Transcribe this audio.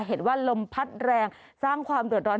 เห็นว่าลมพัดแรงสร้างความเดือดร้อน